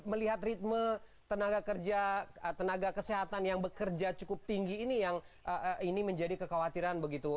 melihat ritme tenaga kesehatan yang bekerja cukup tinggi ini yang ini menjadi kekhawatiran begitu